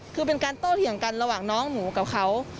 คือเป็นการโต้เถียงกันระหว่างน้องหมูกับเขา